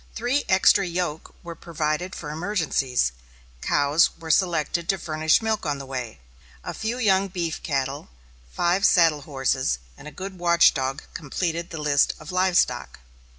Three extra yoke were provided for emergencies. Cows were selected to furnish milk on the way. A few young beef cattle, five saddle horses, and a good watch dog completed the list of live stock.